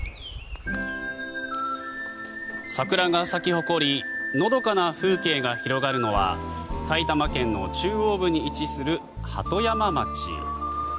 桜が咲き誇りのどかな風景が広がるのは埼玉県の中央部に位置する鳩山町。